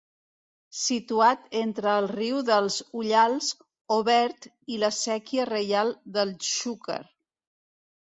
Situat entre el riu dels Ullals o Verd i la Séquia Reial del Xúquer.